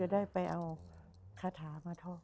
หวังว่าจะเอาคาถามาทอด